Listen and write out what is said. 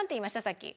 さっき。